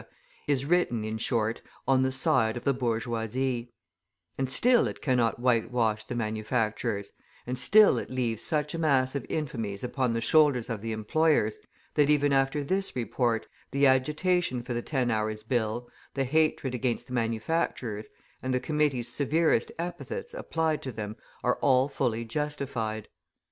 is written, in short, on the side of the bourgeoisie; and still it cannot whitewash the manufacturers, and still it leaves such a mass of infamies upon the shoulders of the employers, that even after this report, the agitation for the Ten Hours' Bill, the hatred against the manufacturers, and the committee's severest epithets applied to them are all fully justified.